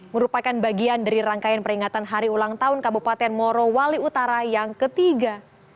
merupakan bagian dari rangkaian peringatan hari ulang tahun kabupaten morowali utara yang ketiga